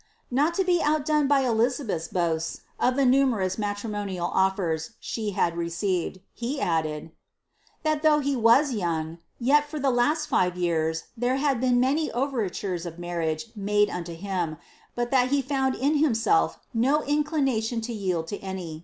Not to be outdone by Elizabeth's boasts oi numerous matrimonial offers she had received, he added, •■ that th' he was young, yet for the last live years there hail been many over of marriage made unto him, but that he found in hiniself no India to yield to any.